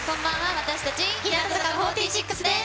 私たち、日向坂４６です。